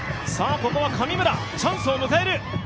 ここは神村、チャンスを迎える。